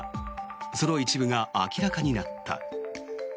その一部が明らかになった。